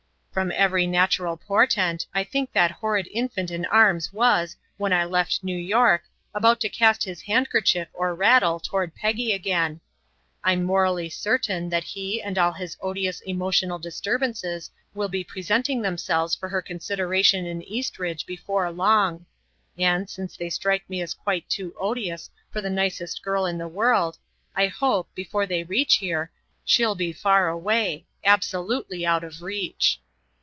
"From every natural portent, I think that horrid infant in arms was, when I left New York, about to cast his handkerchief or rattle toward Peggy again. I'm morally certain that he and all his odious emotional disturbances will be presenting themselves for her consideration in Eastridge before long; and, since they strike me as quite too odious for the nicest girl in the world, I hope, before they reach here, she'll be far away absolutely out of reach."